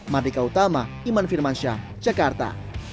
mardika utama iman firmansyah jakarta